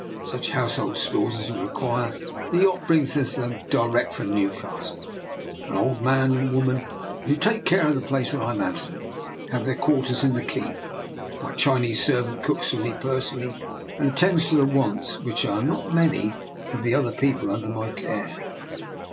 Such household stores as we require the yacht brings us direct from Newcastle; an old man and woman, who take care of the place when I am absent, have their quarters in the keep; my Chinese ser vant cooks for me personally, and attends to the wants, which are not many, of the other people under my care."